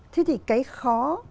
thế thì cái khó